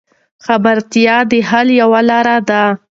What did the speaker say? خبرتیا د حل یوه لار ده.